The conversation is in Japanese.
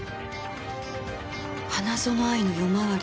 花園愛の夜回り。